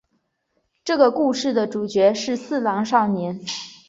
这个故事的主角是四郎少年。